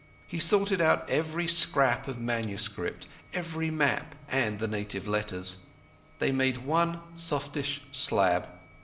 He sorted out every scrap of manuscript, every map, and the native letters. They made one softish slab.